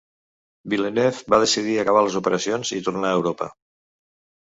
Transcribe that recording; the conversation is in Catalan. Villeneuve va decidir acabar les operacions i tornar a Europa.